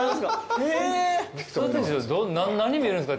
何見るんですか？